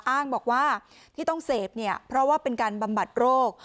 อ้างบอกว่าที่ต้องเสพเนี่ยเพราะว่าเป็นการบำบัดโรค